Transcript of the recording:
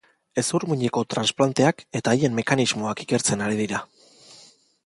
Hezur-muineko transplanteak eta haien mekanismoak ikertzen ari dira.